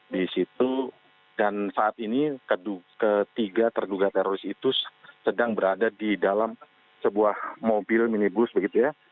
di situ dan saat ini ketiga terduga teroris itu sedang berada di dalam sebuah mobil minibus begitu ya